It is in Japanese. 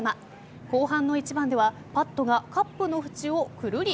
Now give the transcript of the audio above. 後半の１番ではパットがカップの縁をくるり。